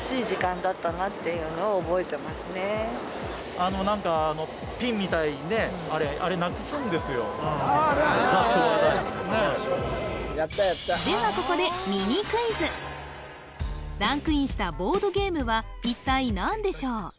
あの何かではここでランクインしたボードゲームは一体何でしょう？